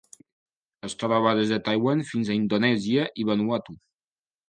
Es troba des de Taiwan fins a Indonèsia i Vanuatu.